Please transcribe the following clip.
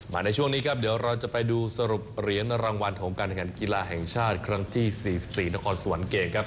ในช่วงนี้ครับเดี๋ยวเราจะไปดูสรุปเหรียญรางวัลของการแข่งขันกีฬาแห่งชาติครั้งที่๔๔นครสวรรค์เกมครับ